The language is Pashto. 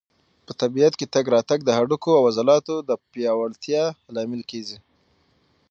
په طبیعت کې تګ راتګ د هډوکو او عضلاتو د پیاوړتیا لامل کېږي.